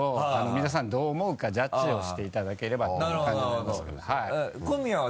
皆さんどう思うかジャッジをしていただければという感じでございます。